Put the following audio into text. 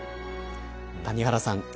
谷原さん